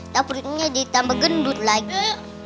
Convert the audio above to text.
dapurnya ditambah gendut lagi